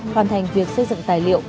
hoàn thành việc xây dựng tài liệu